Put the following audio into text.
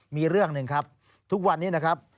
มีเรื่องหนึ่งครับทุกวันนี้นะครับ